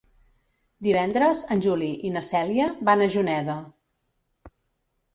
Divendres en Juli i na Cèlia van a Juneda.